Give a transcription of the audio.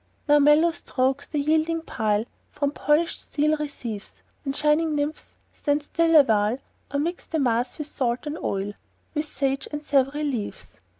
Now mellow strokes the yielding pile From polished steel receives, And shining nymphs stand still a while, Or mix the mass with salt and oil, With sage and savory leaves.